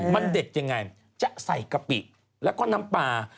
มันเด็ดยังไงจะใส่กะปิแล้วก็น้ำปลา